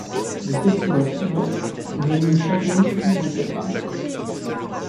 Le Festival Silhouette réunit chaque année plus de personnes.